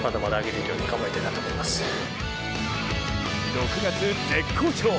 ６月、絶好調！